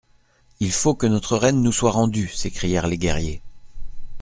Il faut que notre reine nous soit rendue ! s'écrièrent les guerriers.